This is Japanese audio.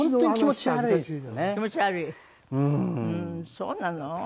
そうなの？